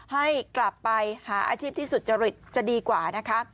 ให้กลับไปหาอาชีพที่สุจริตจะดีกว่านะคะ